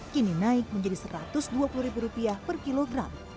kini naik menjadi rp satu ratus dua puluh per kilogram